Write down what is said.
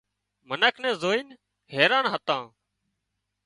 منک اين نين زوئينَ حيران هتان